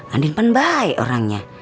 andin penbaik orangnya